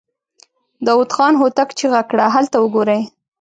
داوود خان هوتک چيغه کړه! هلته وګورئ!